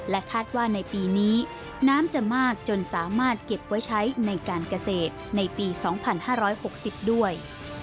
คาดว่าในปีนี้น้ำจะมากจนสามารถเก็บไว้ใช้ในการเกษตรในปี๒๕๖๐ด้วย